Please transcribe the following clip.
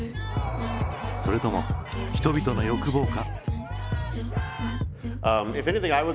それとも人々の欲望か？